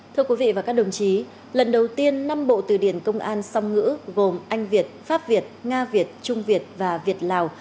thưa quý vị và các đồng chí lần đầu tiên năm bộ từ điển công an song ngữ gồm anh việt pháp việt nga việt trung việt và việt lào